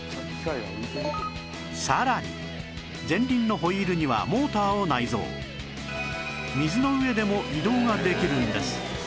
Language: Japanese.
さらに前輪のホイールにはモーターを内蔵水の上でも移動ができるんです